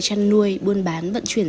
chăn nuôi buôn bán vận chuyển